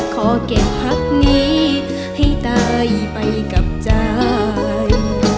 ขอเก็บพักนี้ให้ตายไปกับใจ